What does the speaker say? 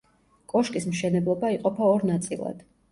კოშკის მშენებლობა იყოფა ორ ნაწილად.